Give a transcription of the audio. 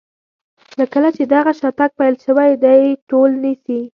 له کله چې دغه شاتګ پیل شوی دوی ټول نیسي.